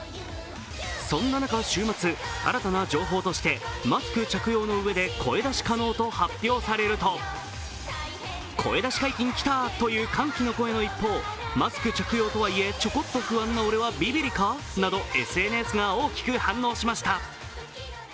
そんな中、週末、新たな情報としてマスク着用のうえで声出し可能と発表されると声出し解禁きたという歓喜の声の一方、マスク着用とはぽかちょこっと不安な俺はビビリか？などＳＮＳが大きく反応しました。